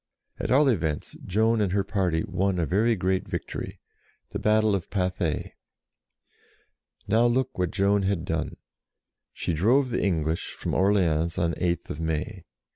At all events, Joan and her party won a very great victory, the battle of Pathay. Now look what Joan had done. She drove the English from Orleans on 8th May.